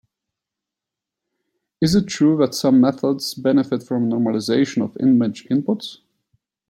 It is true that some methods benefit from normalization of image inputs.